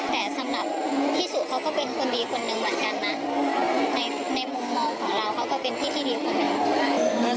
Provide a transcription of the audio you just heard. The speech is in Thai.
แต่สำหรับพี่สุเขาก็เป็นคนดีคนหนึ่งเหมือนกันนะในมุมมองของเราเขาก็เป็นพี่ที่ดีคนหนึ่ง